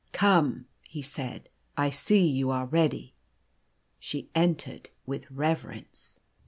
" Come," he said ;" I see you are ready." She entered with reverence.